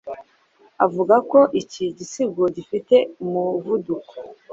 avuga ko iki gisigo gifite umuvuduko